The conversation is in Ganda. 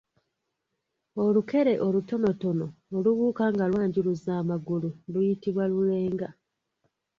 Olukere olutononotono olubuuka nga lwanjuluza amagulu luyitibwa lulenga.